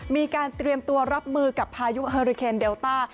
มีการเตรียมตัวรับมือกับพายุเฮอริเคนเดลต้า